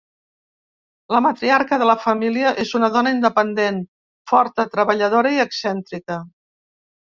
La matriarca de la família és una dona independent, forta, treballadora i excèntrica.